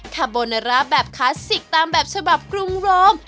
คาโบนาร่าแบบคลาสสิกตามแบบฉบับกรุงโรม